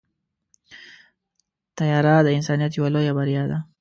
طیاره د انسانیت یوه لویه بریا ده.